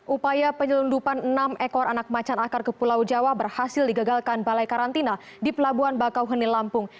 upaya penyelundupan enam ekor anak macan akar ke pulau jawa berhasil digagalkan balai karantina di pelabuhan bakauheni lampung